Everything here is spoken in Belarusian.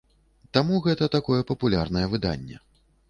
Таму гэта такое папулярнае выданне.